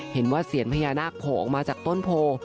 เห็นว่าเสียญพญานาคโผล่ออกมาจากต้นโพ